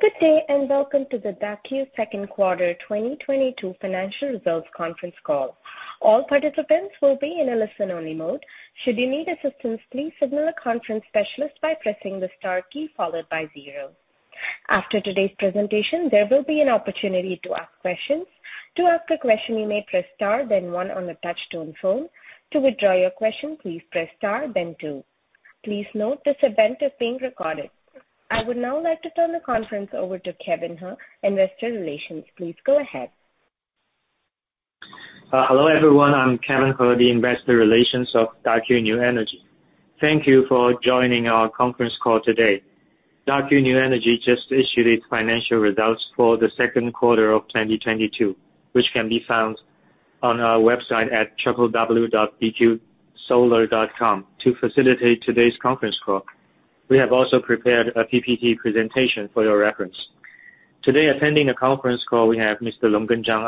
Good day, and welcome to the Daqo second quarter 2022 financial results conference call. All participants will be in a listen-only mode. Should you need assistance, please signal a conference specialist by pressing the star key followed by zero. After today's presentation, there will be an opportunity to ask questions. To ask a question, you may press star then one on the touch tone phone. To withdraw your question, please press star then two. Please note this event is being recorded. I would now like to turn the conference over to Kevin He, Investor Relations. Please go ahead. Hello, everyone. I'm Kevin He, the Investor Relations of Daqo New Energy. Thank you for joining our conference call today. Daqo New Energy just issued its financial results for the second quarter of 2022, which can be found on our website at www.dqsolar.com. To facilitate today's conference call, we have also prepared a PPT presentation for your reference. Today, attending the conference call we have Mr. Longgen Zhang,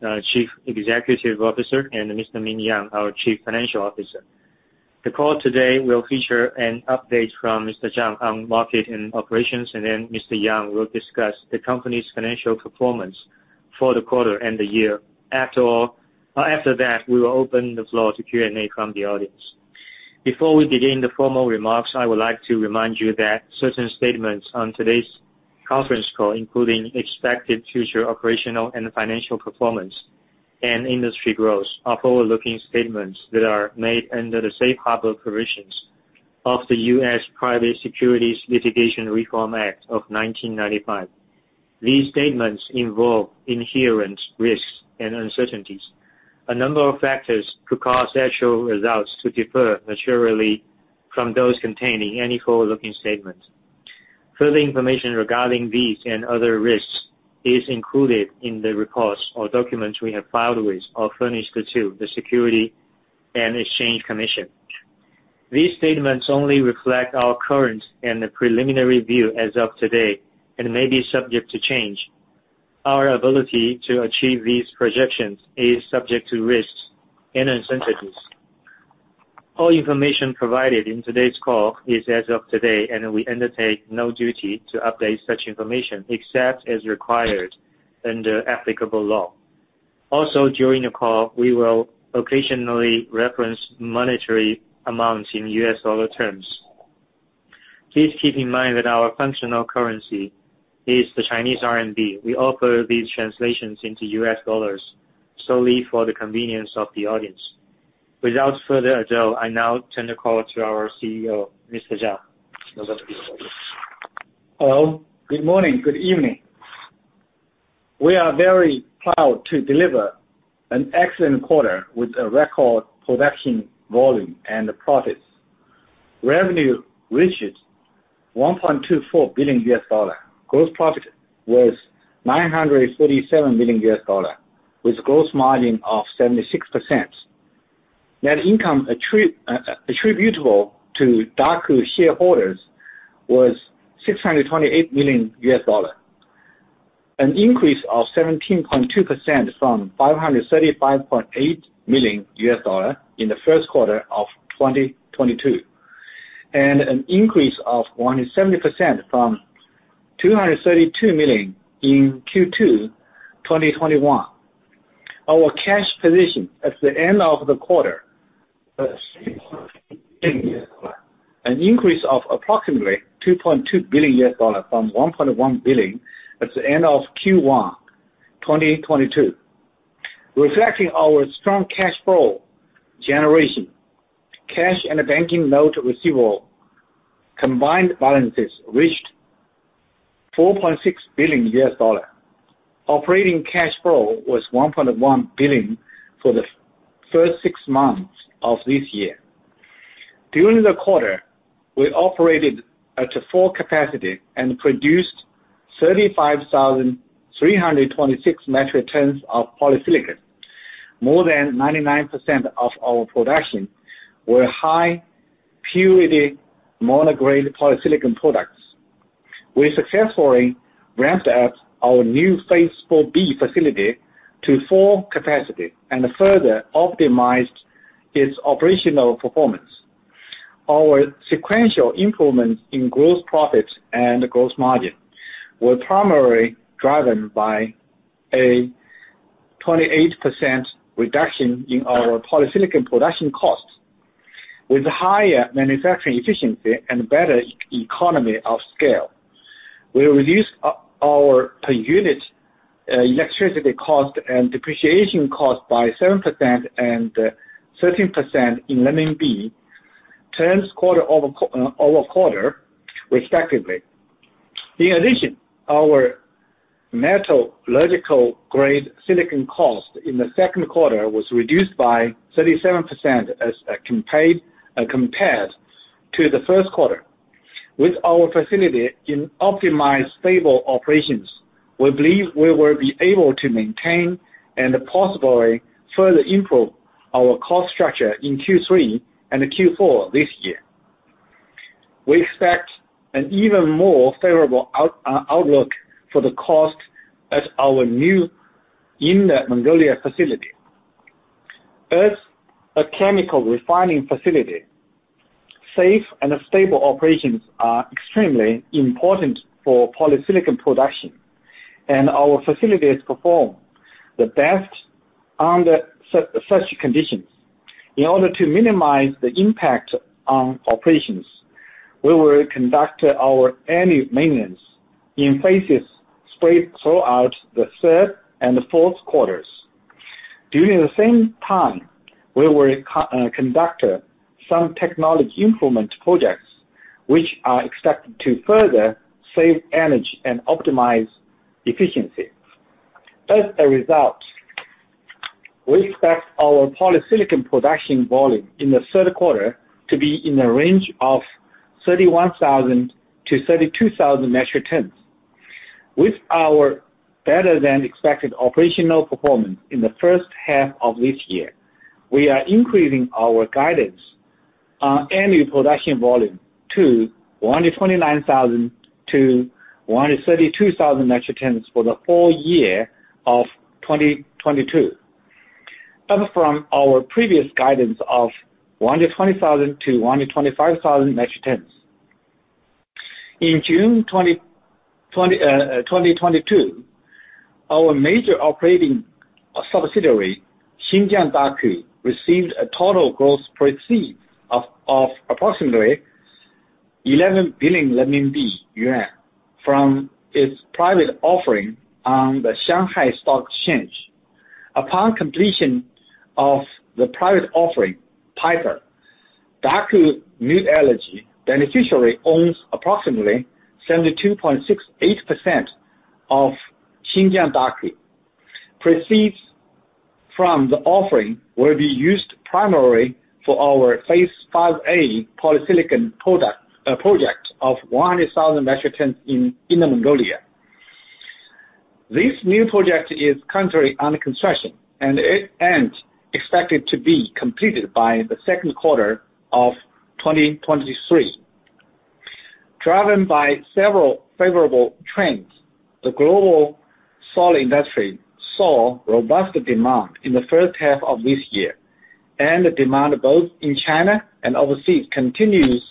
our Chief Executive Officer, and Mr. Ming Yang, our Chief Financial Officer. The call today will feature an update from Mr. Zhang on market and operations, and then Mr. Yang will discuss the company's financial performance for the quarter and the year. After that, we will open the floor to Q&A from the audience. Before we begin the formal remarks, I would like to remind you that certain statements on today's conference call, including expected future operational and financial performance and industry growth, are forward-looking statements that are made under the safe harbor provisions of the US Private Securities Litigation Reform Act of 1995. These statements involve inherent risks and uncertainties. A number of factors could cause actual results to differ materially from those contained in any forward-looking statements. Further information regarding these and other risks is included in the reports or documents we have filed with or furnished to the Securities and Exchange Commission. These statements only reflect our current and preliminary view as of today and may be subject to change. Our ability to achieve these projections is subject to risks and uncertainties. All information provided in today's call is as of today, and we undertake no duty to update such information except as required under applicable law. Also, during the call, we will occasionally reference monetary amounts in US dollar terms. Please keep in mind that our functional currency is the Chinese RMB. We offer these translations into US dollars solely for the convenience of the audience. Without further ado, I now turn the call to our CEO, Mr. Zhang. Over to you. Hello. Good morning. Good evening. We are very proud to deliver an excellent quarter with a record production volume and profits. Revenue reached $1.24 billion. Gross profit was $937 million with gross margin of 76%. Net income attributable to Daqo shareholders was $628 million, an increase of 17.2% from $535.8 million in the first quarter of 2022, and an increase of 170% from $232 million in Q2 2021. Our cash position at the end of the quarter was an increase of approximately $2.2 billion from $1.1 billion at the end of Q1 2022. Reflecting our strong cash flow generation, cash and banking note receivable combined balances reached $4.6 billion. Operating cash flow was $1.1 billion for the first six months of this year. During the quarter, we operated at full capacity and produced 35,326 metric tons of polysilicon. More than 99% of our production were high-purity mono-grade polysilicon products. We successfully ramped up our new Phase 4B facility to full capacity and further optimized its operational performance. Our sequential improvement in gross profits and gross margin was primarily driven by a 28% reduction in our polysilicon production costs. With higher manufacturing efficiency and better economy of scale, we reduced our per unit electricity cost and depreciation cost by 7% and 13% in RMB terms quarter-over-quarter, respectively. In addition, our metallurgical grade silicon cost in the second quarter was reduced by 37% as compared to the first quarter. With our facility in optimized stable operations, we believe we will be able to maintain and possibly further improve our cost structure in Q3 and Q4 this year. We expect an even more favorable outlook for the cost at our new Inner Mongolia facility. As a chemical refining facility, safe and stable operations are extremely important for polysilicon production, and our facilities perform the best under such conditions. In order to minimize the impact on operations, we will conduct our annual maintenance in phases spread throughout the third and the fourth quarters. During the same time, we will conduct some technology improvement projects, which are expected to further save energy and optimize efficiency. As a result, we expect our polysilicon production volume in the third quarter to be in the range of 31,000-32,000 metric tons. With our better-than-expected operational performance in the first half of this year, we are increasing our guidance on annual production volume to 129,000-132,000 metric tons for the whole year of 2022, up from our previous guidance of 120,000-125,000 metric tons. In June 2022, our major operating subsidiary, Xinjiang Daqo, received total gross proceeds of approximately 11 billion yuan from its private offering on the Shanghai Stock Exchange. Upon completion of the private offering, Daqo New Energy beneficially owns approximately 72.68% of Xinjiang Daqo. Proceeds from the offering will be used primarily for our Phase 5A polysilicon production project of 100,000 metric tons in Inner Mongolia. This new project is currently under construction and expected to be completed by the second quarter of 2023. Driven by several favorable trends, the global solar industry saw robust demand in the first half of this year, and the demand both in China and overseas continues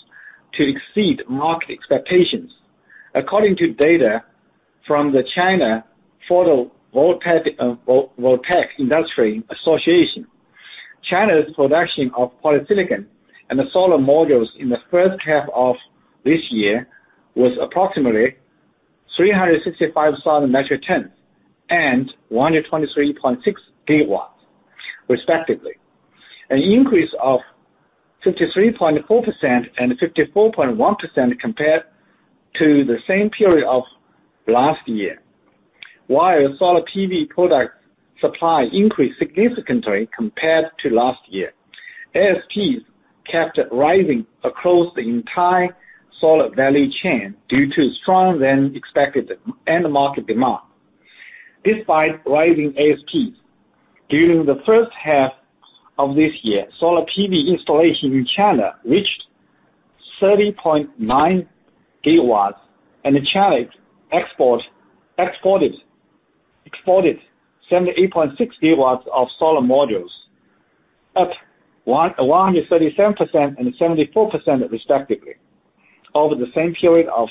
to exceed market expectations. According to data from the China Photovoltaic Industry Association, China's production of polysilicon and the solar modules in the first half of this year was approximately 365,000 metric tons and 123.6 gigawatts, respectively. An increase of 53.4% and 54.1% compared to the same period of last year. While solar PV product supply increased significantly compared to last year. ASPs kept rising across the entire solar value chain due to stronger than expected end market demand. Despite rising ASPs, during the first half of this year, solar PV installation in China reached 30.9 gigawatts, and China exported 78.6 gigawatts of solar modules, up 137% and 74% respectively over the same period of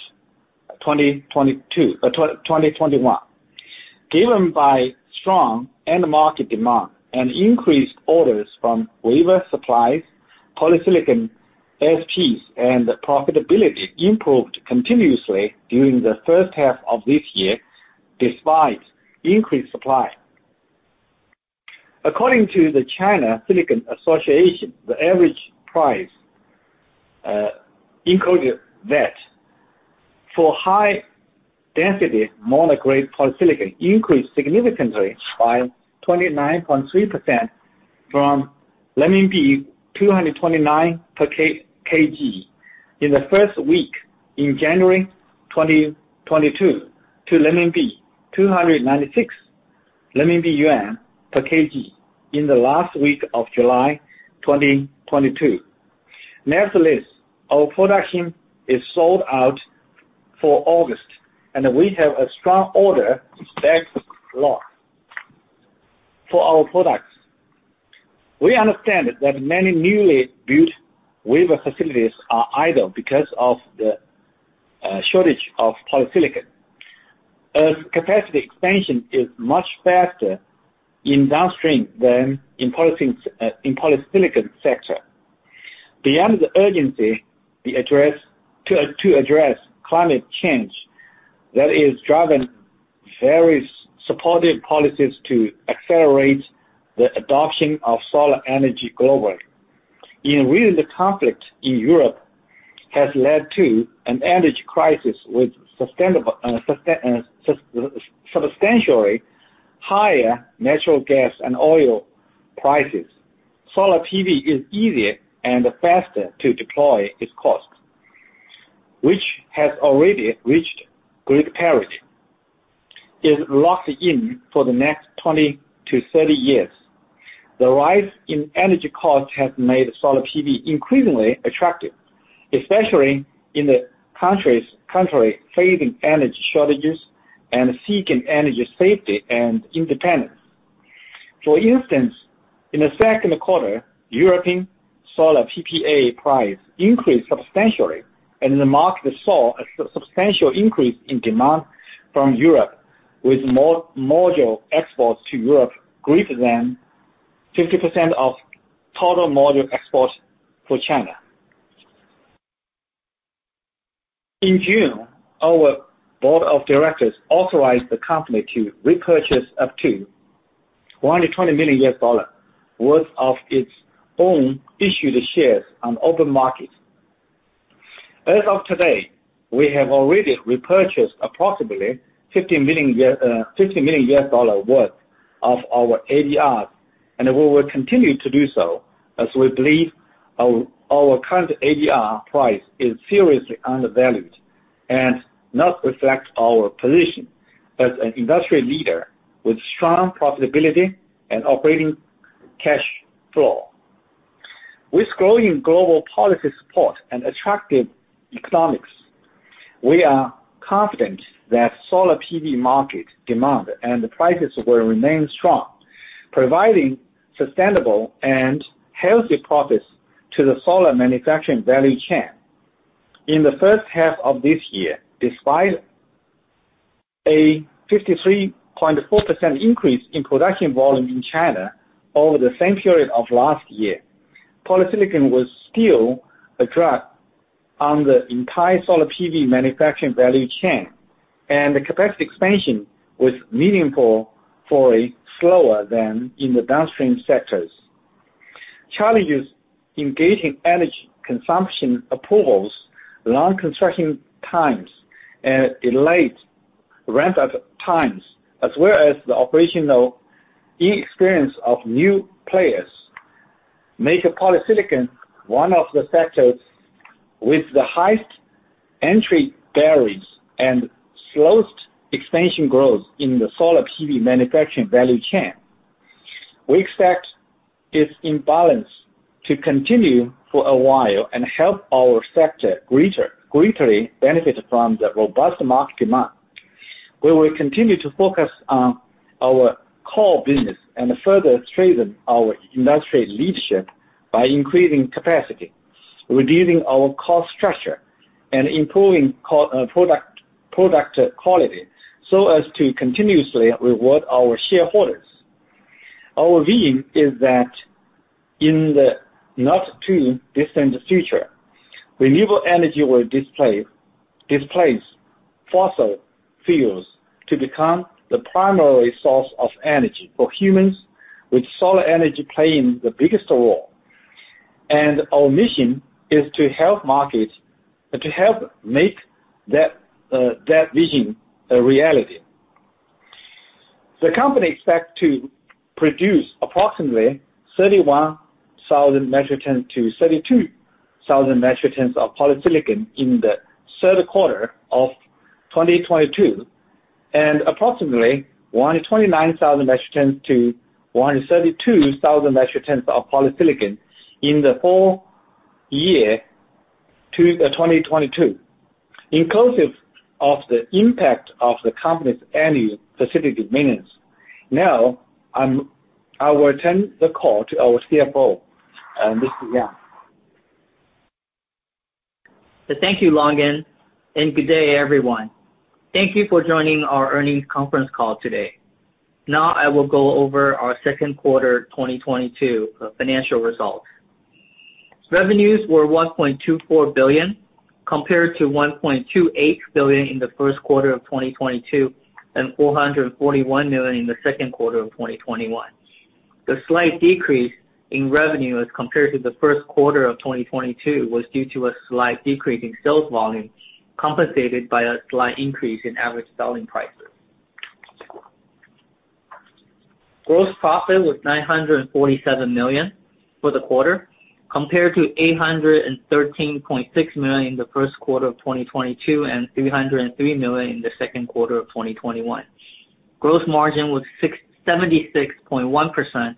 2021. Driven by strong end market demand and increased orders from wafer suppliers, polysilicon ASPs and profitability improved continuously during the first half of this year, despite increased supply. According to the China Silicon Association, the average price indicated that for high density mono-grade polysilicon increased significantly by 29.3% from 229 per kg in the first week in January 2022 to CNY 296 per kg in the last week of July 2022. Nevertheless, our production is sold out for August, and we have a strong order backlog for our products. We understand that many newly built wafer facilities are idle because of the shortage of polysilicon. Capacity expansion is much faster in the downstream than in the polysilicon sector. Beyond the urgency to address climate change that is driving various supportive policies to accelerate the adoption of solar energy globally. In which the conflict in Europe has led to an energy crisis with substantially higher natural gas and oil prices. Solar PV is easier and faster to deploy. Its costs, which has already reached grid parity, is locked in for the next 20-30 years. The rise in energy costs has made solar PV increasingly attractive. Especially in the country facing energy shortages and seeking energy safety and independence. For instance, in the second quarter, European solar PPA price increased substantially, and the market saw a substantial increase in demand from Europe, with module exports to Europe greater than 50% of total module exports for China. In June, our board of directors authorized the company to repurchase up to $100 million worth of its own issued shares on open market. As of today, we have already repurchased approximately $50 million worth of our ADRs, and we will continue to do so as we believe our current ADR price is seriously undervalued and not reflect our position as an industry leader with strong profitability and operating cash flow. With growing global policy support and attractive economics, we are confident that solar PV market demand and the prices will remain strong, providing sustainable and healthy profits to the solar manufacturing value chain. In the first half of this year, despite a 53.4% increase in production volume in China over the same period of last year, polysilicon was still a drag on the entire solar PV manufacturing value chain, and the capacity expansion was meaningful for a slower than in the downstream sectors. Challenges in getting energy consumption approvals, long construction times, delayed ramp-up times, as well as the operational inexperience of new players, make polysilicon one of the sectors with the highest entry barriers and slowest expansion growth in the solar PV manufacturing value chain. We expect this imbalance to continue for a while and help our sector greatly benefit from the robust market demand. We will continue to focus on our core business and further strengthen our industry leadership by increasing capacity, reducing our cost structure, and improving product quality so as to continuously reward our shareholders. Our vision is that in the not-too-distant future, renewable energy will displace fossil fuels to become the primary source of energy for humans, with solar energy playing the biggest role. Our mission is to help make that vision a reality. The company expects to produce approximately 31,000 metric tons to 32,000 metric tons of polysilicon in the third quarter of 2022, and approximately 129,000 metric tons to 132,000 metric tons of polysilicon in the full year to 2022, inclusive of the impact of the company's annual specific maintenance. Now, I will turn the call to our CFO, Mr. Yang. Thank you, Longgen, and good day, everyone. Thank you for joining our earnings conference call today. Now I will go over our second quarter 2022 financial results. Revenues were CNY 1.24 billion, compared to CNY 1.28 billion in the first quarter of 2022, and CNY 441 million in the second quarter of 2021. The slight decrease in revenue as compared to the first quarter of 2022 was due to a slight decrease in sales volume, compensated by a slight increase in average selling prices. Gross profit was 947 million for the quarter, compared to 813.6 million in the first quarter of 2022, and 303 million in the second quarter of 2021. Gross margin was 76.1%,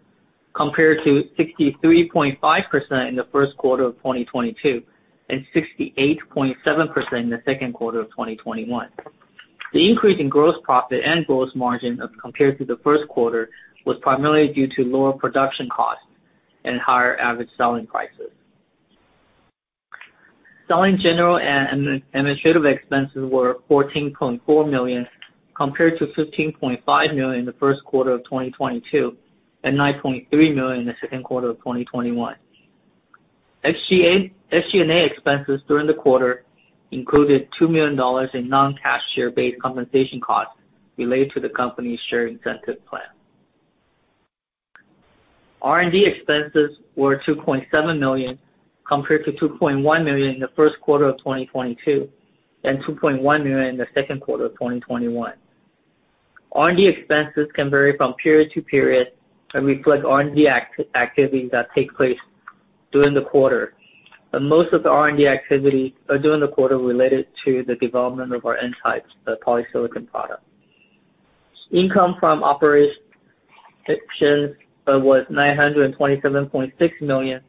compared to 63.5% in the first quarter of 2022, and 68.7% in the second quarter of 2021. The increase in gross profit and gross margin as compared to the first quarter was primarily due to lower production costs and higher average selling prices. Selling, general and administrative expenses were 14.4 million, compared to 15.5 million in the first quarter of 2022, and 9.3 million in the second quarter of 2021. SG&A expenses during the quarter included $2 million in non-cash share-based compensation costs related to the company's share incentive plan. R&D expenses were 2.7 million, compared to 2.1 million in the first quarter of 2022, and 2.1 million in the second quarter of 2021. R&D expenses can vary from period to period and reflect R&D activities that take place during the quarter, and most of the R&D activity are during the quarter related to the development of our N-type, the polysilicon product. Income from operations was 927.6 million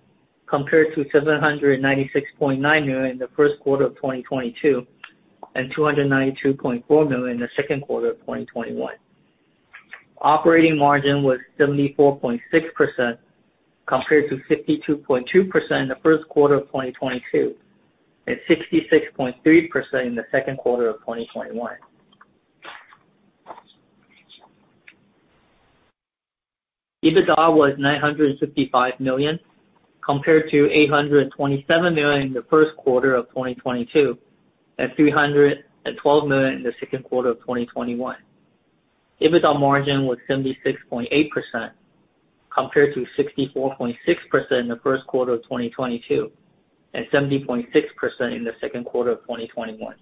compared to 796.9 million in the first quarter of 2022, and 292.4 million in the second quarter of 2021. Operating margin was 74.6% compared to 52.2% in the first quarter of 2022, and 66.3% in the second quarter of 2021. EBITDA was 955 million, compared to 827 million in the first quarter of 2022, and 312 million in the second quarter of 2021. EBITDA margin was 76.8% compared to 64.6% in the first quarter of 2022, and 70.6% in the second quarter of 2021.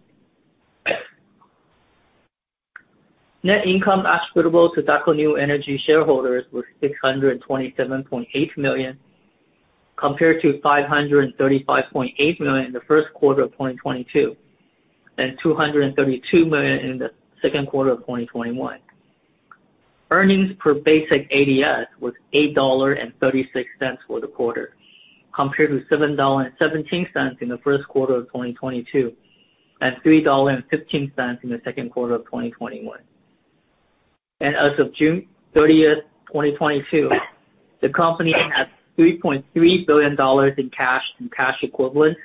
Net income attributable to Daqo New Energy shareholders was 627.8 million, compared to 535.8 million in the first quarter of 2022, and 232 million in the second quarter of 2021. Earnings per basic ADS was $8.36 for the quarter, compared to $7.17 in the first quarter of 2022, and $3.15 in the second quarter of 2021. As of June 30, 2022, the company had $3.3 billion in cash and cash equivalents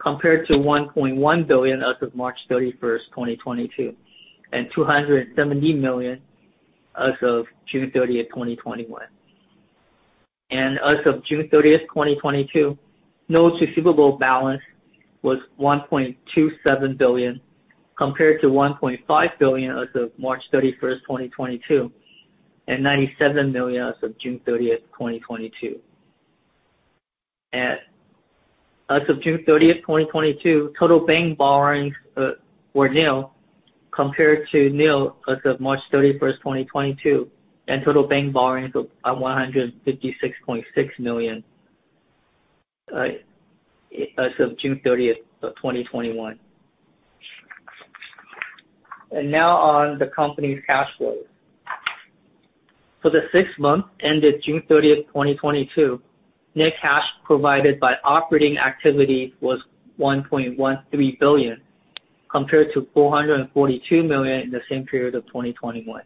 compared to $1.1 billion as of March 31, 2022, and $270 million as of June 30, 2021. As of June 30, 2022, notes receivable balance was $1.27 billion, compared to $1.5 billion as of March 31, 2022, and $97 million as of June 30, 2022. As of June 30, 2022, total bank borrowings were nil, compared to nil as of March 31, 2022, and total bank borrowings of $156.6 million as of June 30, 2021. Now on the company's cash flow. For the six months ended June 30, 2022, net cash provided by operating activities was 1.13 billion, compared to 442 million in the same period of 2021.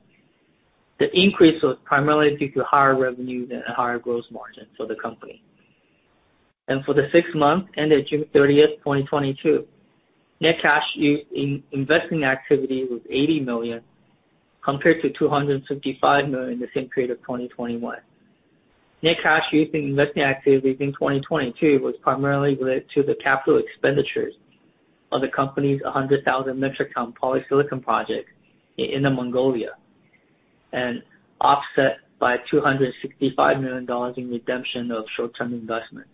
The increase was primarily due to higher revenue and higher gross margin for the company. For the six months ended June 30, 2022, net cash used in investing activities was 80 million, compared to 255 million in the same period of 2021. Net cash used in investing activities in 2022 was primarily related to the capital expenditures of the company's 100,000-metric-ton polysilicon project in Inner Mongolia and offset by $265 million in redemption of short-term investments.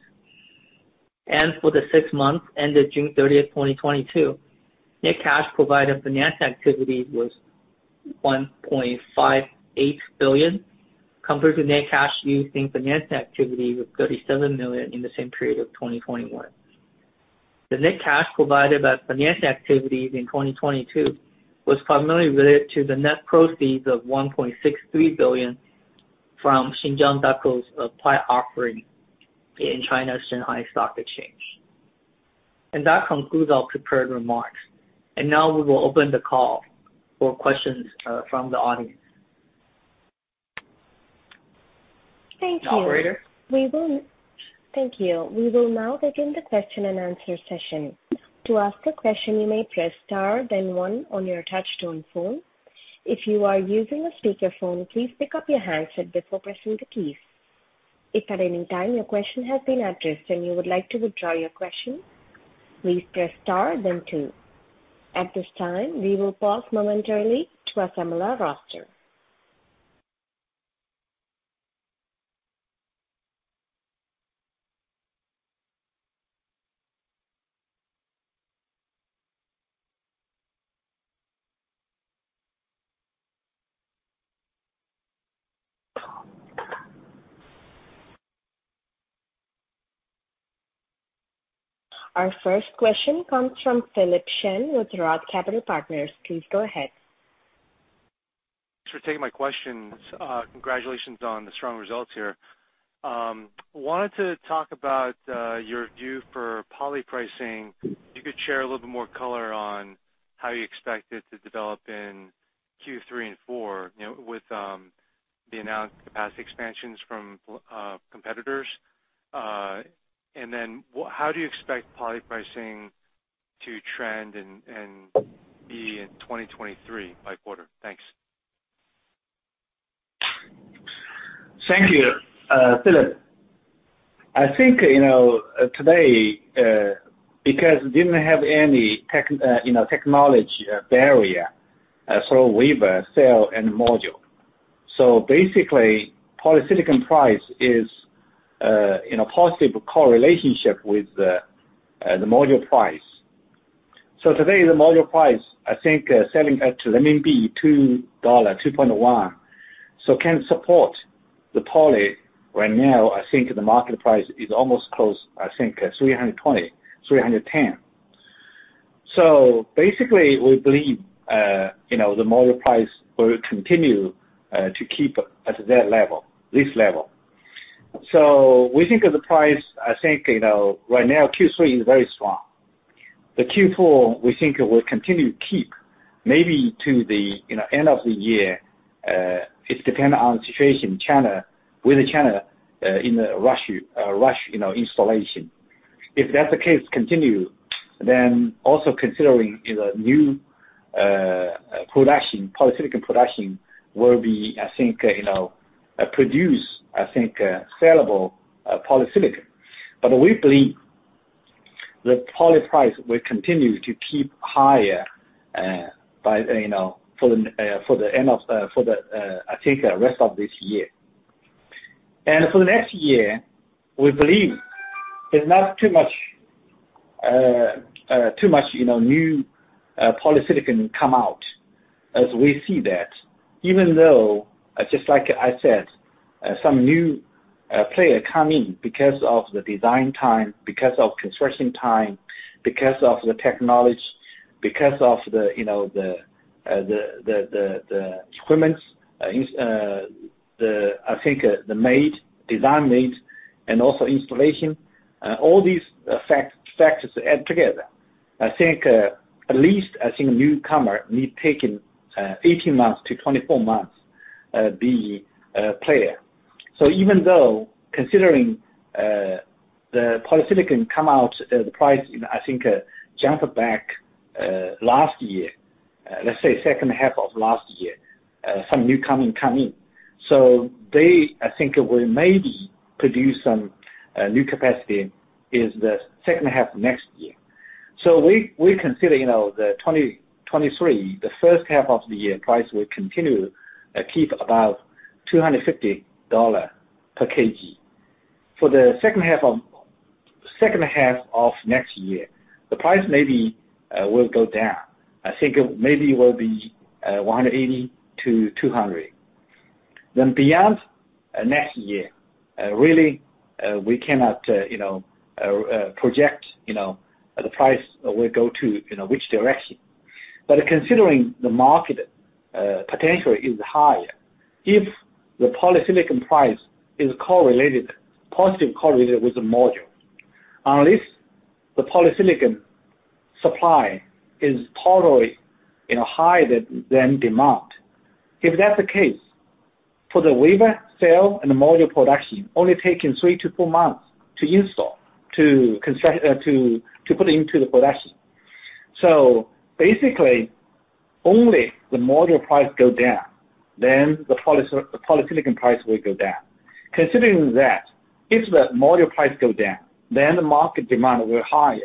For the six months ended June 30, 2022, net cash provided by financing activities was 1.58 billion, compared to net cash used in financing activities of 37 million in the same period of 2021. The net cash provided by financing activities in 2022 was primarily related to the net proceeds of 1.63 billion from Xinjiang Daqo's private offering in China's Shanghai Stock Exchange. That concludes our prepared remarks. Now we will open the call for questions from the audience. Thank you. Operator? Thank you. We will now begin the question-and-answer session. To ask a question, you may press star then one on your touchtone phone. If you are using a speakerphone, please pick up your handset before pressing the keys. If at any time your question has been addressed and you would like to withdraw your question, please press star then two. At this time, we will pause momentarily to assemble our roster. Our first question comes from Philip Shen with ROTH Capital Partners. Please go ahead. Thanks for taking my questions. Congratulations on the strong results here. Wanted to talk about your view for poly pricing. If you could share a little bit more color on how you expect it to develop in Q3 and Q4, with the announced capacity expansions from competitors. How do you expect poly pricing to trend and be in 2023 by quarter? Thanks. Thank you, Philip. I think, you know, today, because we didn't have any technology barrier, so wafer, cell, and module. Basically, polysilicon price is in a positive correlation with the module price. Today, the module price, I think, selling at CNY 2-2.1, so can support the poly. Right now, I think the market price is almost close, I think, 310-320. Basically, we believe, you know, the module price will continue to keep at that level, this level. We think of the price, I think, you know, right now Q3 is very strong. The Q4 we think will continue to keep maybe to the, you know, end of the year. It depends on situation in China, with China in a rush, you know, installation. If that case continues, then also considering, you know, new production, polysilicon production will be, I think, you know, produced, I think, sellable polysilicon. But we believe the poly price will continue to keep higher by, you know, for the rest of this year. For next year, we believe there's not too much, you know, new polysilicon come out as we see that. Even though, just like I said, some new player come in because of the design time, because of construction time, because of the technology, because of the equipments, the R&D design and also installation. All these factors add together. I think at least, I think newcomer need taking 18 months to 24 months be a player. Even though considering the polysilicon come out, the price, you know, I think jump back last year, let's say second half of last year, some new coming come in. They, I think, will maybe produce some new capacity in the second half next year. We consider, you know, the 2023, the first half of the year price will continue keep about $250 per kg. For the second half of next year, the price maybe will go down. I think maybe it will be $180-$200. Then beyond next year, really, we cannot you know project you know the price will go to you know which direction. But considering the market potential is higher, if the polysilicon price is positively correlated with the module. Unless the polysilicon supply is totally you know higher than demand. If that's the case, for the wafer, cell and the module production, only taking three-four months to install, to construct, to put into the production. Basically, only the module price goes down, then the polysilicon price will go down. Considering that, if the module price goes down, then the market demand will higher.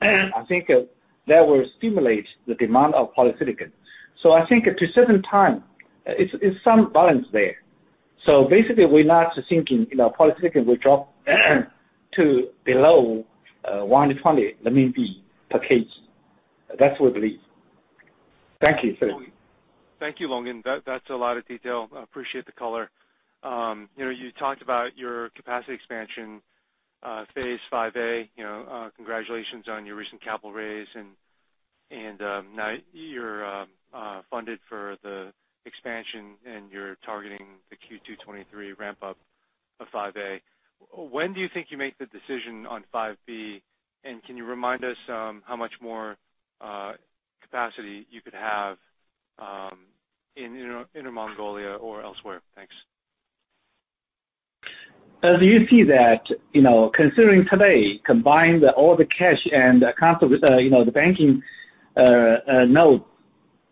I think that will stimulate the demand of polysilicon. I think to certain time, it's some balance there. Basically, we're not thinking, you know, polysilicon will drop to below 120 renminbi per kg. That's what we believe. Thank you, Philip. Thank you, Longgen. That's a lot of detail. I appreciate the color. You know, you talked about your capacity expansion, phase 5A. You know, congratulations on your recent capital raise and now you're funded for the expansion and you're targeting the Q2 2023 ramp up of 5A. When do you think you make the decision on 5B? And can you remind us how much more capacity you could have in Inner Mongolia or elsewhere? Thanks. As you see, you know, considering today, combined all the cash and accounts, the bank notes,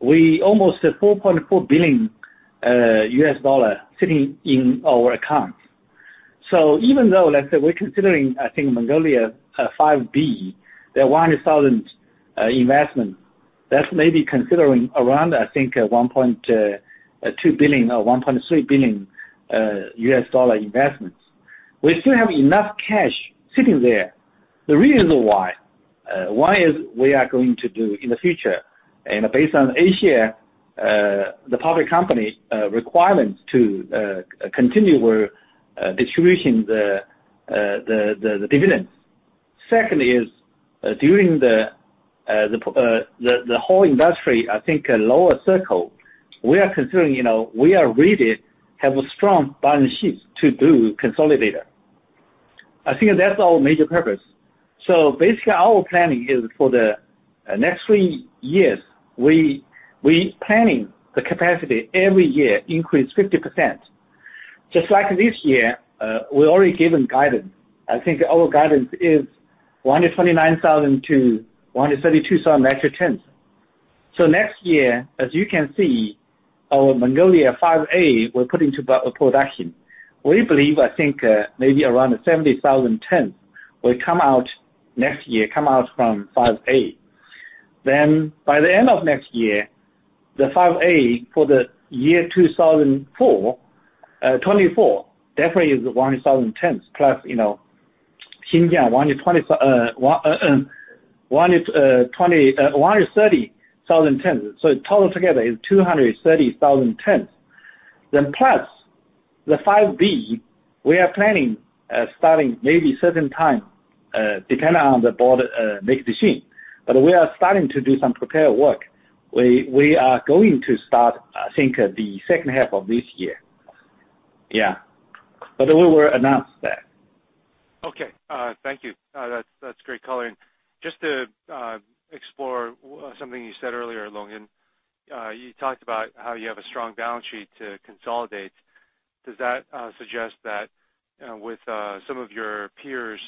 we have almost $4.4 billion sitting in our accounts. Even though, let's say we're considering, I think Inner Mongolia Phase 5B, the 1,000 investments, that's maybe around, I think, $1.2 billion or $1.3 billion investments. We still have enough cash sitting there. The reason why, one is we are going to do in the future, and as a public company requirement to continue our distribution of the dividends. Second is, during the whole industry, I think a lower cycle, we are considering, you know, we really have a strong balance sheet to do consolidator. I think that's our major purpose. Basically, our planning is for the next three years, we planning the capacity every year increase 50%. Just like this year, we already given guidance. I think our guidance is 129,000-132,000 metric tons. Next year, as you can see, our Inner Mongolia Phase 5A will be put into production. We believe, I think, maybe around 70,000 tons will come out next year, come out from Phase 5A. By the end of next year, the Phase 5A for the year 2024 definitely is 100,000 tons plus, Xinjiang 120,000-130,000 tons. Total together is 230,000 tons. Plus, the Phase 5B, we are planning starting maybe certain time, depending on the board make decision. We are starting to do some prepare work. We are going to start, I think, the second half of this year. We will announce that. Okay. Thank you. That's great color. Just to explore something you said earlier, Longgen Zhang. You talked about how you have a strong balance sheet to consolidate. Does that suggest that with some of your peers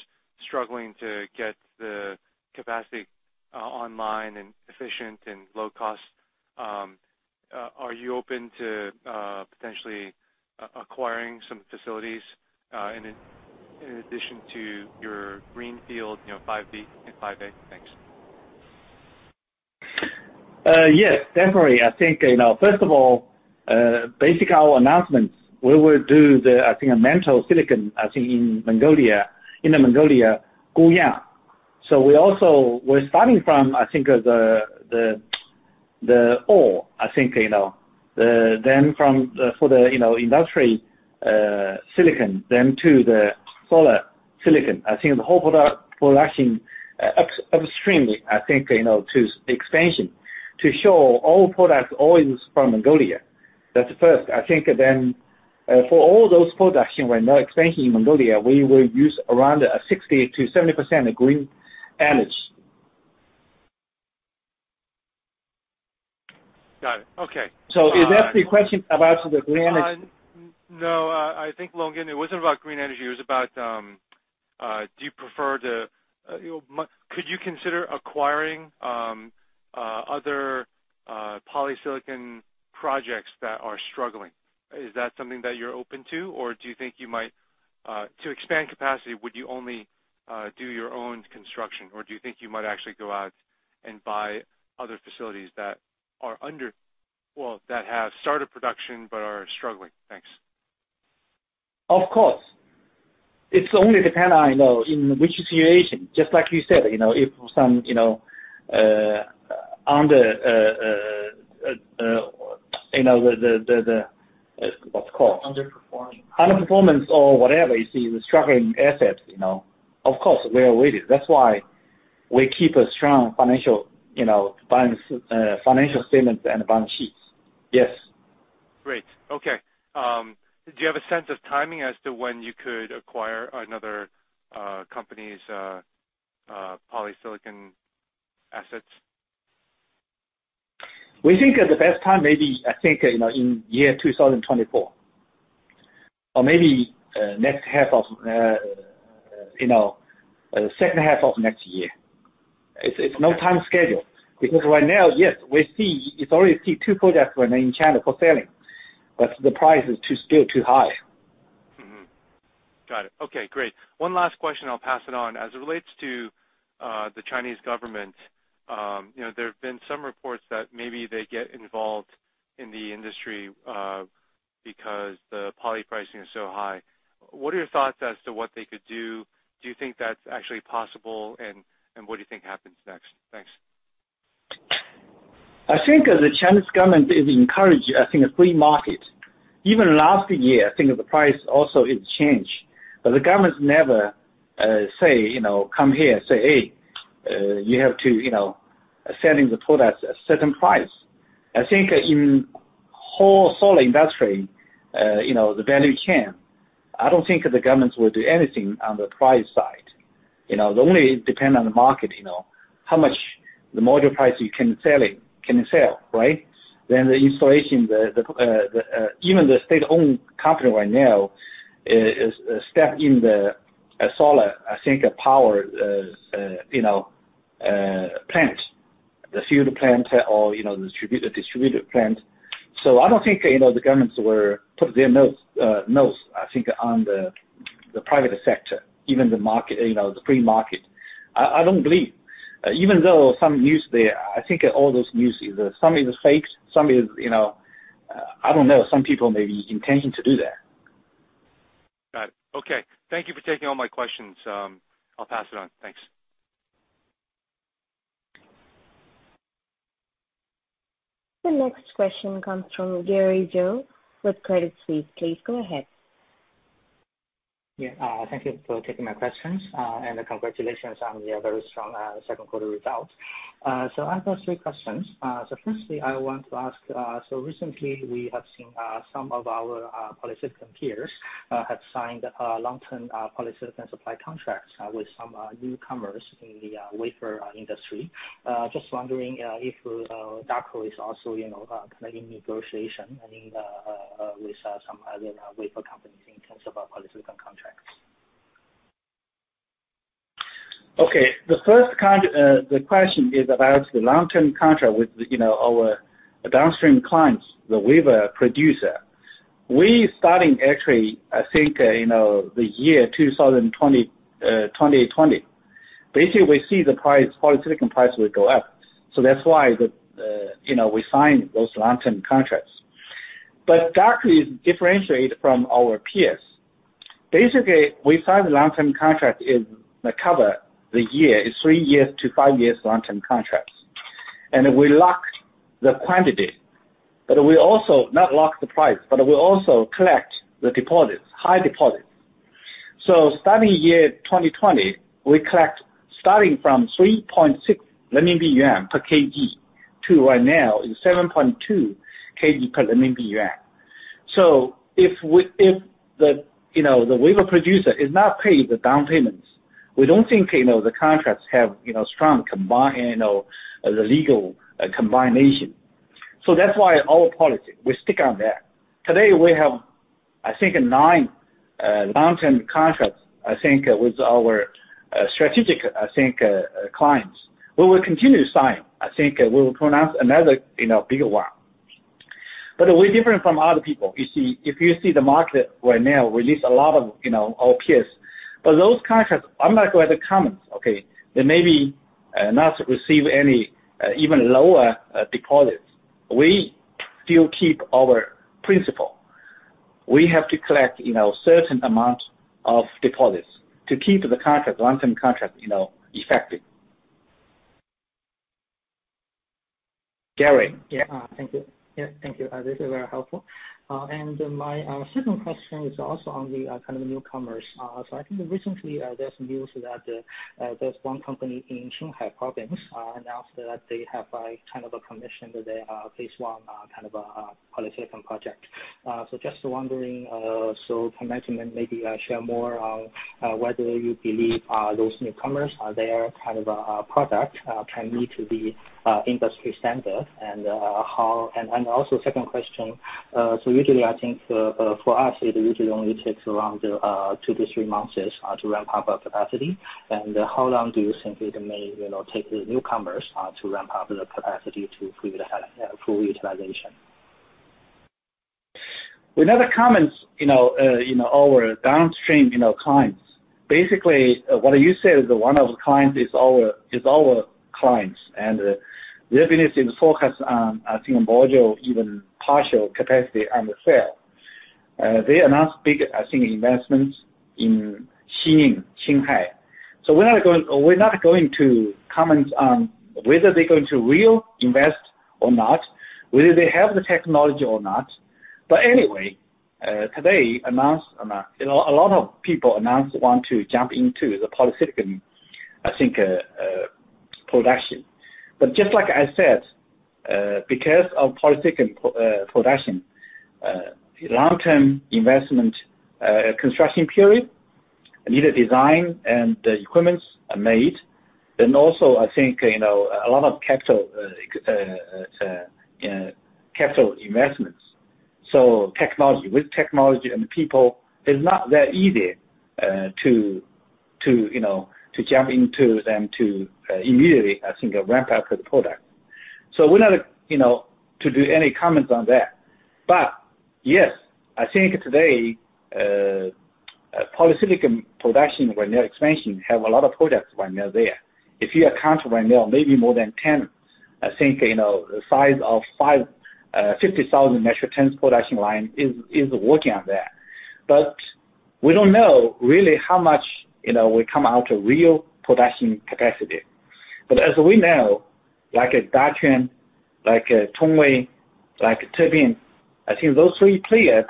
struggling to get the capacity online and efficient and low cost, are you open to potentially acquiring some facilities in addition to your greenfield, you know, Phase 5B and Phase 5A? Thanks. Yes, definitely. I think, you know, first of all, based on our announcements, we will do the, I think, silicon metal, I think, in Inner Mongolia. We also. We're starting from, I think, the ore, I think, you know. From the ore to the industrial silicon then to the solar silicon. I think the whole product production upstream, I think, you know, to expansion, to show all products always from Inner Mongolia. That's first. I think, for all those productions right now expanding in Inner Mongolia, we will use around 60%-70% of green energy. Got it. Okay. Is that the question about the green energy? No. I think, Longgen, it wasn't about green energy. It was about, do you prefer to, you know, could you consider acquiring other polysilicon projects that are struggling? Is that something that you're open to, or do you think you might to expand capacity, would you only do your own construction, or do you think you might actually go out and buy other facilities that are under. Well, that have started production but are struggling? Thanks. Of course. It's only depend on, you know, in which situation, just like you said, you know. If some, you know, under, you know, the. What's it called? Underperforming. Underperformance or whatever you see the struggling assets, you know. Of course, we are ready. That's why we keep a strong financial, you know, balance, financial statements and balance sheets. Yes. Great. Okay. Do you have a sense of timing as to when you could acquire another company's polysilicon assets? We think the best time maybe, I think, you know, in 2024. Maybe you know second half of next year. It's no time schedule. Because right now, yes, we see, it's already see two products right now in China for selling, but the price is still too high. Mm-hmm. Got it. Okay, great. One last question, I'll pass it on. As it relates to the Chinese government, you know, there have been some reports that maybe they get involved in the industry because the poly pricing is so high. What are your thoughts as to what they could do? Do you think that's actually possible? And what do you think happens next? Thanks. I think the Chinese government is encouraged. I think a free market. Even last year, I think the price also is changed. The government never say, you know, come here, say, "Hey, you have to, you know, selling the products at certain price." I think in whole solar industry, you know, the value chain, I don't think the governments will do anything on the price side. You know, they only depend on the market, you know, how much the module price you can sell, right? Then the installation, even the state-owned company right now is step in the solar, I think, power, you know, plant. The field plant or, you know, the distributed plant. I don't think, you know, the governments will put their nose in the private sector, even the market, you know, the free market. I don't believe. Even though some news there, I think all those news is, some is fake, some is, you know. I don't know, some people may be intending to do that. Got it. Okay. Thank you for taking all my questions. I'll pass it on. Thanks. The next question comes from Gary Zhou with Credit Suisse. Please go ahead. Thank you for taking my questions, and congratulations on your very strong second quarter results. I have three questions. Firstly, I want to ask, so recently we have seen some of our polysilicon peers have signed long-term polysilicon supply contracts with some newcomers in the wafer industry. Just wondering if Daqo is also, you know, kind of in negotiation, I think, with some other wafer companies in terms of polysilicon contracts. Okay. The first question is about the long-term contract with, you know, our downstream clients, the wafer producer. We starting actually, I think, you know, the year 2020. Basically, we see the price, polysilicon price will go up. That's why the, you know, we sign those long-term contracts. Daqo is differentiate from our peers. Basically, we sign the long-term contract in, like cover the year, is three years to five years long-term contracts. We locked the quantity, but we also not lock the price, but we also collect the deposits, high deposits. Starting year 2020, we collect starting from 3.6 renminbi per kg, to right now is 7.2 per kg. If the wafer producer is not paid the down payments, we don't think the contracts have strong binding, the legal binding. That's why our policy, we stick to that. Today we have 9 long-term contracts with our strategic clients. We will continue to sign. We will announce another bigger one. We're different from other people. If you see the market right now, you see a lot of our peers. Those contracts, I'm not going to comment, okay? They may not receive any, even lower deposits. We still keep our principle. We have to collect a certain amount of deposits to keep the long-term contract effective. Gary? Yeah. Thank you. Yeah, thank you. This is very helpful. My second question is also on the kind of newcomers. I think recently, there's news that there's one company in Qinghai Province announced that they have like kind of commissioned their phase one polysilicon project. Just wondering, can management maybe share more on whether you believe those newcomers' kind of product can meet the industry standard and how. Also, second question usually I think for us it usually only takes around two-three months to ramp up our capacity. How long do you think it may, you know, take the newcomers to ramp up the capacity to full utilization? We never comment, you know, our downstream, you know, clients. Basically, what you said is one of the clients is our clients. Their business is focused on, I think, modules and vertical capacity and sales. They announced big, I think, investments in Xining, Qinghai. We're not going to comment on whether they're going to really invest or not, whether they have the technology or not. Anyway, you know, a lot of people announced want to jump into the polysilicon, I think, production. Just like I said, because of polysilicon production, long-term investment, construction period, needed design and the equipment is made. Also, I think, you know, a lot of capital investments. Technology with technology and people, it's not that easy to you know to jump into them to immediately I think ramp up the product. We're not you know to do any comments on that. Yes, I think today polysilicon production right now expansion have a lot of projects right now there. If you count right now, maybe more than 10, I think you know size of 50,000 metric tons production line is working on that. We don't know really how much you know will come out of real production capacity. As we know, like Daqo, like Tongwei, like Tebian, I think those three players,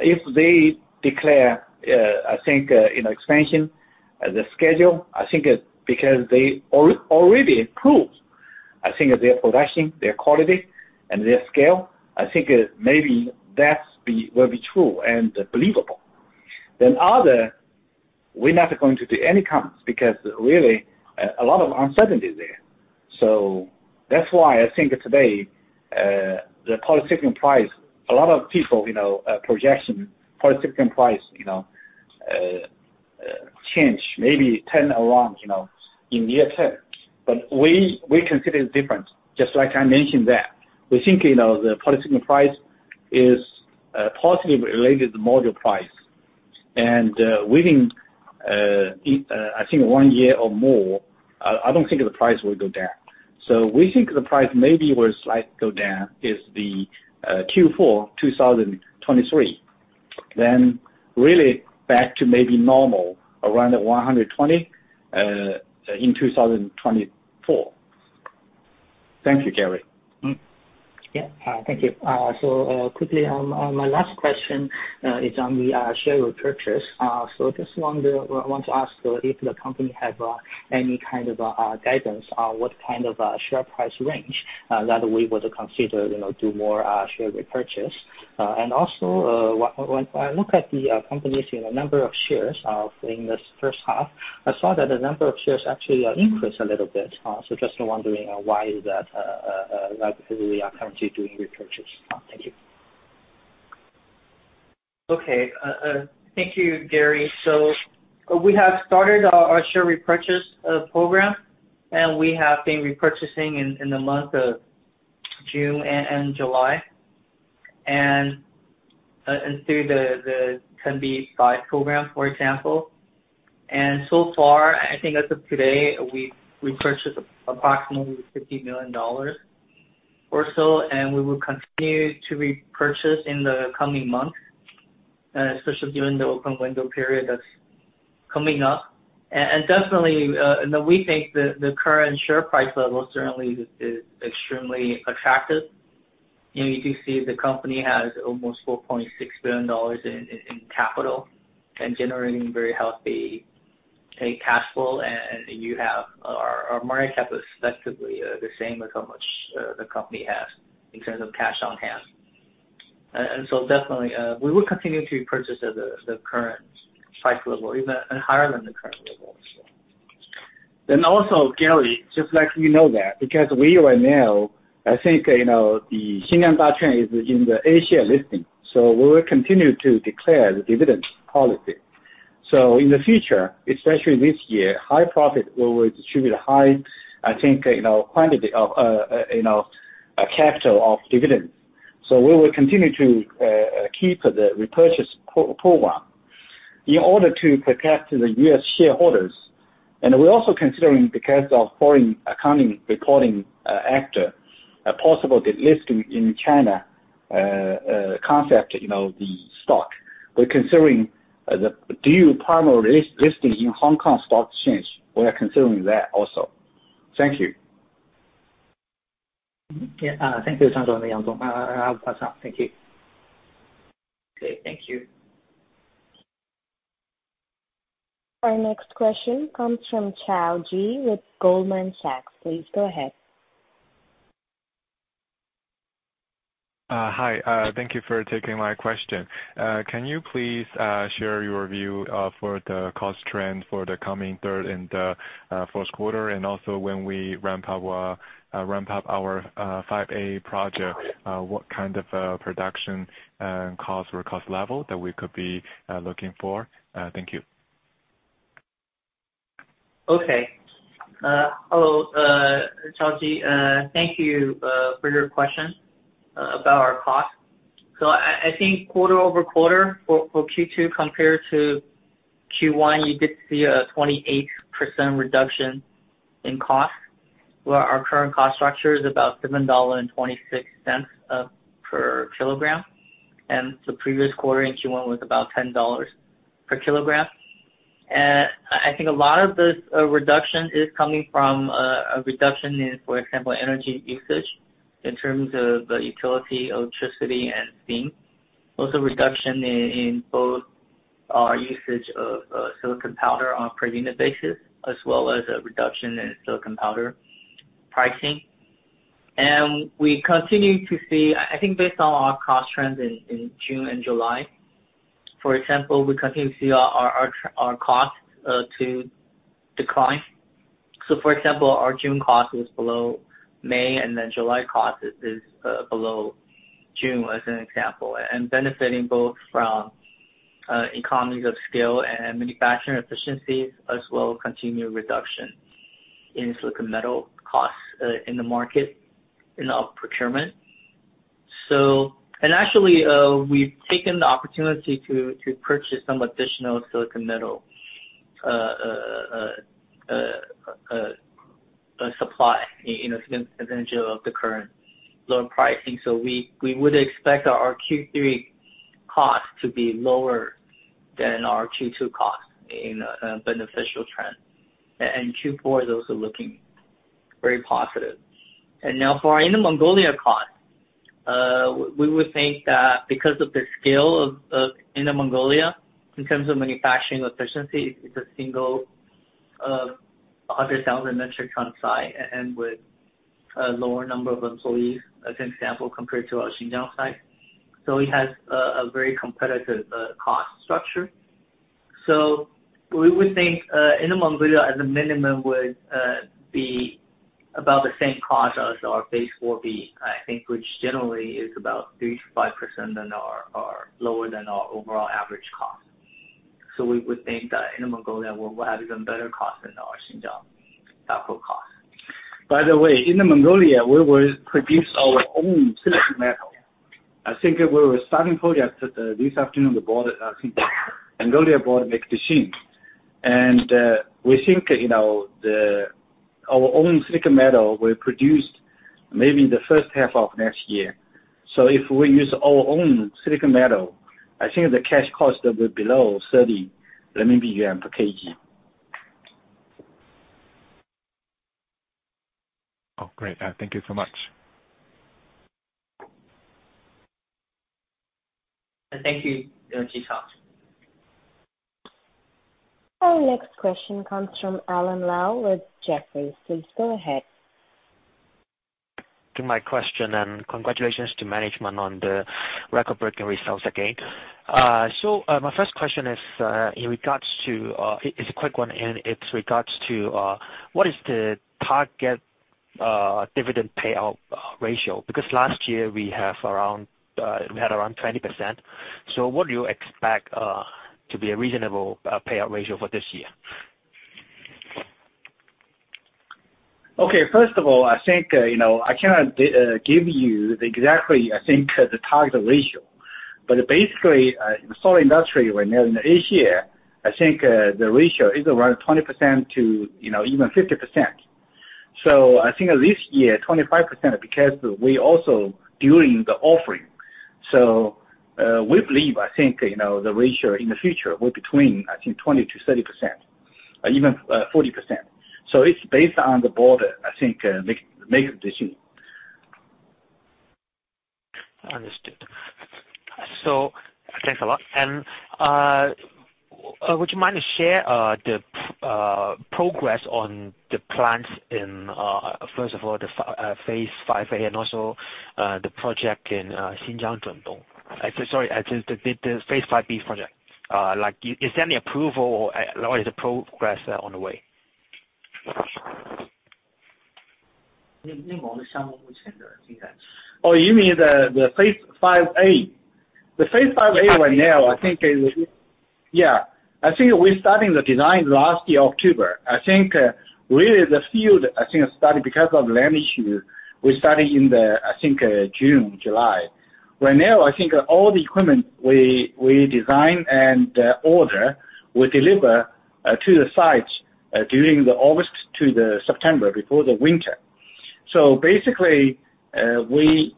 if they declare I think you know expansion the schedule, I think it's because they already proved I think their production, their quality and their scale. I think maybe that will be true and believable. Otherwise, we're not going to do any comments because really a lot of uncertainty is there. That's why I think today the polysilicon price, a lot of people, you know, are projecting the polysilicon price, you know, to change maybe turn around, you know, in the near term. We consider it different, just like I mentioned that. We think, you know, the polysilicon price is positively related to module price. Within, I think one year or more, I don't think the price will go down. We think the price maybe will slightly go down in Q4 2023. It will really go back to maybe normal around 120 in 2024. Thank you, Gary. Yeah. Thank you. Quickly on my last question, is on the share repurchase. Just wonder, want to ask if the company have any kind of guidance on what kind of share price range that they would consider, you know, do more share repurchase. And also, when I look at the company's number of shares in this first half, I saw that the number of shares actually increased a little bit. Just wondering why is that we are currently doing repurchase. Thank you. Okay. Thank you, Gary. We have started our share repurchase program, and we have been repurchasing in the month of June and July and through the 10b5-1 program, for example. So far, I think as of today, we've repurchased approximately $50 million or so, and we will continue to repurchase in the coming months. Especially during the open window period that's coming up. And definitely, we think the current share price level certainly is extremely attractive. You know, you can see the company has almost $4.6 billion in capital and generating very healthy, okay, cash flow, and you have our market cap is effectively the same as how much the company has in terms of cash on hand. Definitely, we will continue to purchase at the current price level, even at higher than the current level as well. Gary, just let me know that because we are now, I think, you know, Xinjiang Daqo is in the A-share listing, so we will continue to declare the dividend policy. In the future, especially this year, high profit, we will distribute a high, I think, you know, quantity of, you know, capital dividends. We will continue to keep the repurchase program in order to protect the US shareholders. We're also considering, because of foreign accounting reporting act or a possible delisting in China concept stock, you know, the stock. We're considering the dual primary listing in Hong Kong Stock Exchange. We are considering that also. Thank you. Yeah. Thank you, Longgen Zhang and Ming Yang. I'll pass on. Thank you. Okay. Thank you. Our next question comes from Chao Ji with Goldman Sachs. Please go ahead. Hi. Thank you for taking my question. Can you please share your view for the cost trend for the coming third and fourth quarter? Also, when we ramp up our Phase 5A project, what kind of production cost or cost level that we could be looking for? Thank you. Okay. Hello, Chao Ji. Thank you for your question about our cost. I think quarter-over-quarter for Q2 compared to Q1, you did see a 28% reduction in cost, where our current cost structure is about $7.26 per kilogram. The previous quarter in Q1 was about $10 per kilogram. I think a lot of this reduction is coming from a reduction in, for example, energy usage in terms of the utility, electricity and steam. Also, reduction in both our usage of silicon powder on a per unit basis, as well as a reduction in silicon powder pricing. We continue to see. I think based on our cost trends in June and July, for example, we continue to see our cost to decline. For example, our June cost was below May, and then July cost is below June, as an example. Benefiting both from economies of scale and manufacturing efficiencies, as well as continued reduction in silicon metal costs in the market and in our procurement. Actually, we've taken the opportunity to purchase some additional silicon metal supply, you know, taking advantage of the current lower pricing. We would expect our Q3 costs to be lower than our Q2 costs in a beneficial trend. Q4, those are looking very positive. Now for Inner Mongolia cost, we would think that because of the scale of Inner Mongolia in terms of manufacturing efficiency, it's a single 100,000 metric ton site and with a lower number of employees, as an example, compared to our Xinjiang site. It has a very competitive cost structure. We would think Inner Mongolia as a minimum would be about the same cost as our Phase 4B, I think, which generally is about 3%-5% lower than our overall average cost. We would think that Inner Mongolia will have even better cost than our Xinjiang output cost. By the way, Inner Mongolia, we will produce our own silicon metal. I think we will be starting project this afternoon the board I think Inner Mongolia board make decision. We think you know our own silicon metal will produce maybe in the first half of next year. If we use our own silicon metal, I think the cash cost will be below 30 renminbi per kg. Oh, great. Thank you so much. Thank you, Ji Chao. Our next question comes from Alan Lau with Jefferies. Please go ahead. To my question, and congratulations to management on the record-breaking results again. My first question is a quick one in regard to what is the target dividend payout ratio? Because last year we had around 20%. What do you expect to be a reasonable payout ratio for this year? Okay. First of all, I think, you know, I cannot give you the exact, I think, the target ratio. Basically, in the solar industry right now in Asia, I think, the ratio is around 20%-50%. I think this year, 25% because we also doing the offering. We believe, I think, you know, the ratio in the future will between, I think 20%-30% or even 40%. It's based on the board, I think, make the decision. Understood. Thanks a lot. Would you mind to share the progress on the plans, first of all, the Phase 5A and also the project in Xinjiang? Sorry, the Phase 5B project. Is there any approval or is the progress on the way? Oh, you mean the Phase 5A. The Phase 5A right now I think is. Yeah. I think we're starting the design last year, October. I think really the field, I think, started because of land issue. We started in the, I think, June, July. Right now, I think all the equipment we design and order, we deliver to the sites during the August to September before the winter. Basically, we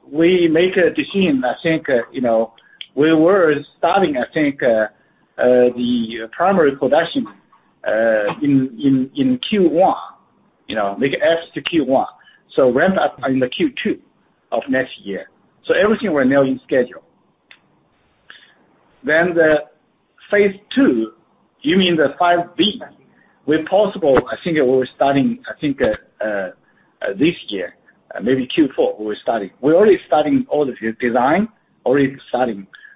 make a decision, I think, you know, we were starting, I think, the primary production in Q1, you know, make it Q4 to Q1. Ramp up in the Q2 of next year. Everything we're now on schedule. Then Phase two, you mean the Phase 5B. Whenever possible, I think we're starting this year, maybe Q4. We're already starting all the design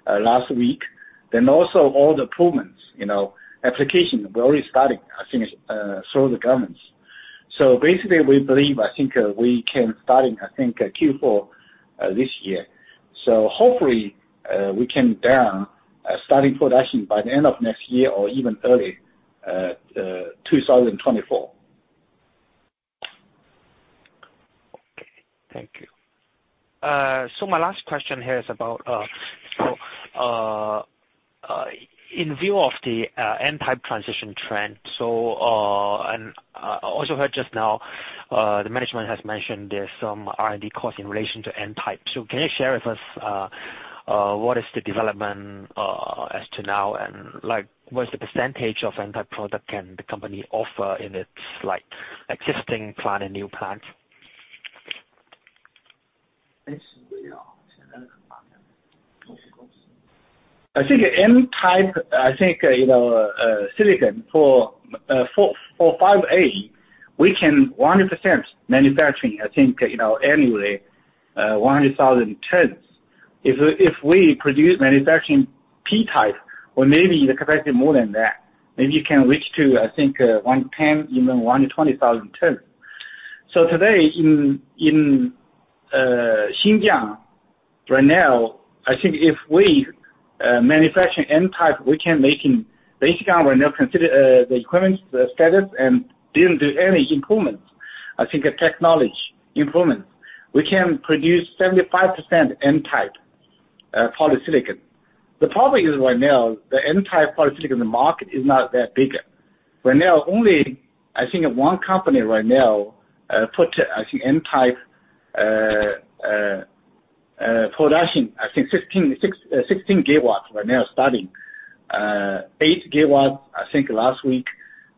last week. Then also all the improvements, you know, application, we're already starting, I think, through the governments. Basically, we believe, I think, we can start in, I think, Q4 this year. Hopefully, we can start production by the end of next year or even early 2024. Okay. Thank you. My last question here is about, in view of the N-type transition trend, and also heard just now, the management has mentioned there's some R&D cost in relation to N-type. Can you share with us, what is the development as of now? And like, what is the percentage of N-type product can the company offer in its like, existing plant and new plants? I think N-type, I think, you know, silicon for Phase 5A, we can 100% manufacturing, I think, you know, annually, 100,000 tons. If we produce manufacturing P-type or maybe the capacity more than that, maybe you can reach to, I think, 110, even 120,000 tons. Today, in Xinjiang, right now, I think if we manufacture N-type, we can basically right now consider the equipment, the status, and the energy improvements. I think the technology improvements. We can produce 75% N-type polysilicon. The problem is right now, the N-type polysilicon, the market is not that big. Right now, only, I think one company right now put I think N-type production, I think 16 GW right now starting. 8 GW, I think last week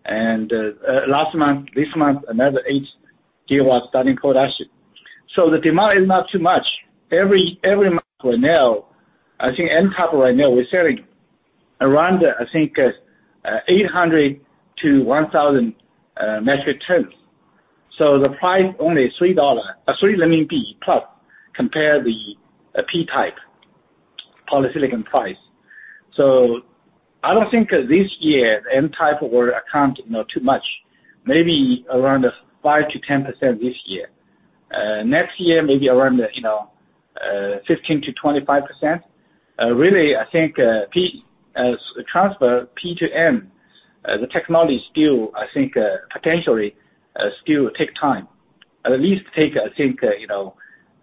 and last month, this month, another 8 GW starting production. So, the demand is not too much. Every month right now, I think N-type right now we're selling around, I think, 800-1,000 metric tons. So, the price only $3, 3 renminbi plus compared to the P-type polysilicon price. So, I don't think this year, N-type will account for, you know, too much, maybe around 5%-10% this year. Next year, maybe around, you know, 15%-25%. Really, I think P, transfer P to N, the technology still, I think, potentially, still take time. At least take, I think, you know,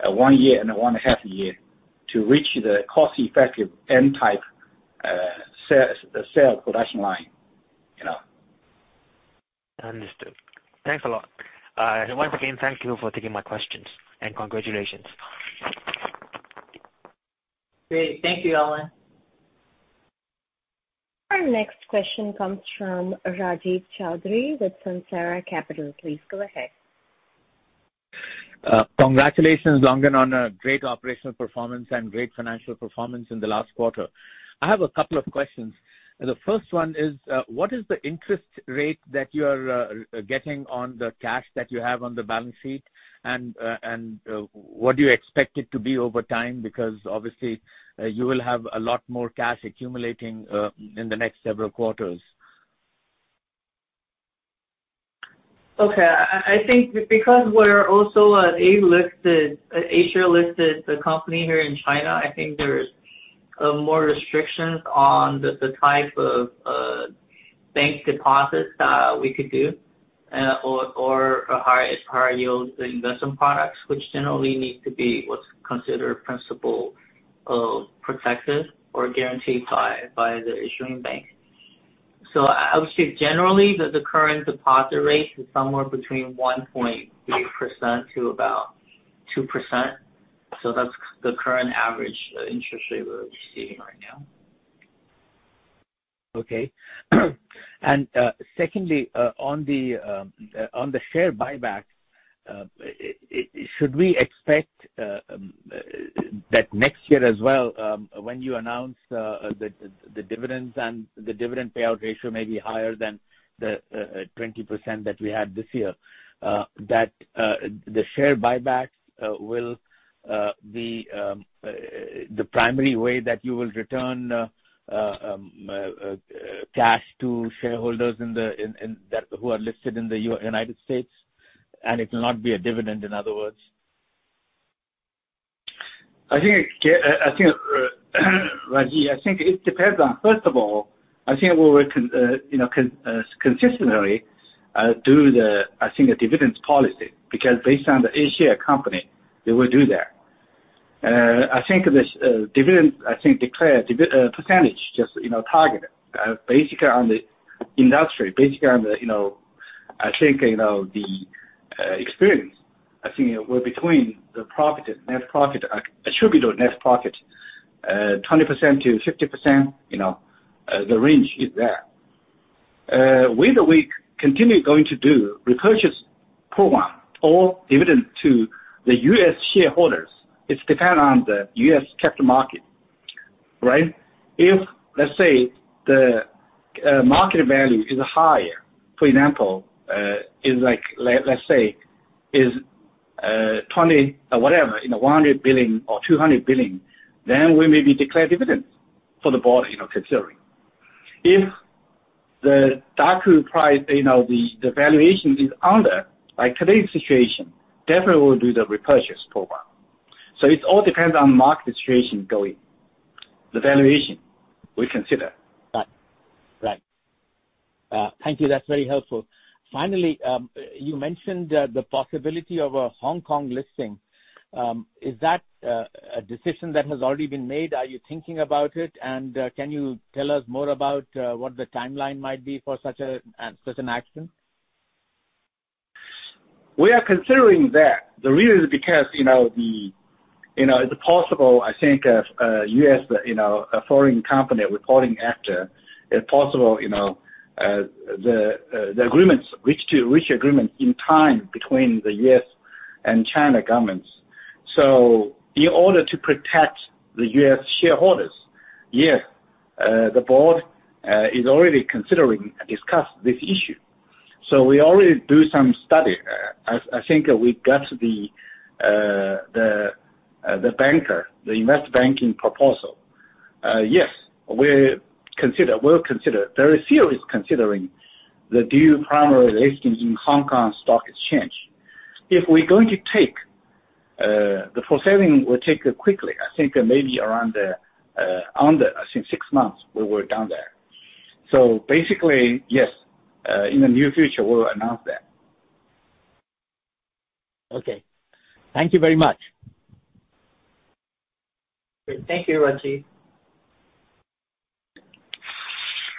1 year and one and a half year to reach the cost-effective N-type cell production line, you know. Understood. Thanks a lot. Once again, thank you for taking my questions and congratulations. Great. Thank you, Alan. Our next question comes from Rajiv Chaudhri with Sunsara Capital. Please go ahead. Congratulations, Longgen, on a great operational performance and great financial performance in the last quarter. I have a couple of questions. The first one is, what is the interest rate that you are getting on the cash that you have on the balance sheet? What do you expect it to be over time? Because obviously, you will have a lot more cash accumulating in the next several quarters. Okay. I think because we're also an A-share listed company here in China, I think there is more restrictions on the type of bank deposits we could do or a higher yield investment product, which generally need to be what's considered principal protected or guaranteed by the issuing bank. I would say generally that the current deposit rate is somewhere between 1.3% to about 2%. That's the current average interest rate we're receiving right now. Okay. Secondly, on the share buyback, should we expect that next year as well, when you announce the dividends and the dividend payout ratio may be higher than the 20% that we had this year, that the share buyback will be the primary way that you will return cash to shareholders in that, who are listed in the United States, and it will not be a dividend, in other words? I think, Rajiv I think it depends on, first of all, I think we will, you know, consistently do the dividend policy because based on the A-share company, they will do that. I think this dividend, I think declared percentage just, you know, targeted basically on the industry, basically on the, you know, I think, you know, the experience. I think it will be between the profit and net profit, attributable net profit, 20%-50%, you know, the range is there. Whether we continue going to do repurchase program or dividend to the U.S. shareholders, it depends on the U.S. capital market, right? If, let's say, the market value is higher, for example, is like, let's say, 20 or whatever in the 100 billion or 200 billion, then we maybe declare dividends for the board, you know, considering. If the Daqo price, you know, the valuation is under, like today's situation, definitely we'll do the repurchase program. It all depends on market situation going. The valuation we consider. Right. Thank you. That's very helpful. Finally, you mentioned the possibility of a Hong Kong listing. Is that a decision that has already been made? Are you thinking about it? Can you tell us more about what the timeline might be for such an action? We are considering that. The reason is because, you know, it's possible, I think, as a U.S. foreign company reporting, it's possible, you know, the agreement is reached in time between the U.S. and China governments. In order to protect the U.S. shareholders, the board is already considering discussing this issue. We already do some study. I think we got the banker, the investment banking proposal. Yes, we'll consider seriously considering the dual primary listings in Hong Kong Stock Exchange. If we're going to take, the filing will take quickly. I think maybe around under six months we'll be done. Basically, yes, in the near future, we'll announce that. Okay. Thank you very much. Great. Thank you, Rajiv.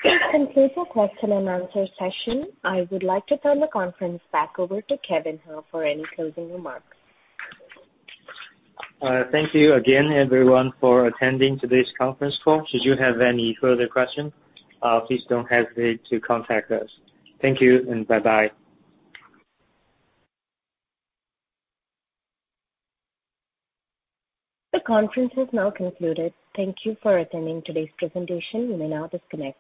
That concludes our question and answer session. I would like to turn the conference back over to Kevin He for any closing remarks. Thank you again everyone for attending today's conference call. Should you have any further questions, please don't hesitate to contact us. Thank you and bye-bye. The conference has now concluded. Thank you for attending today's presentation. You may now disconnect.